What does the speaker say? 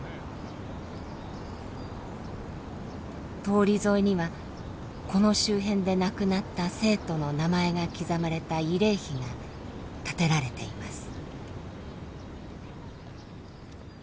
通り沿いにはこの周辺で亡くなった生徒の名前が刻まれた慰霊碑が建てられています。